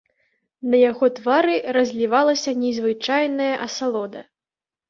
На яго твары разлівалася незвычайная асалода.